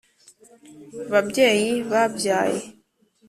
babyeyi babyaye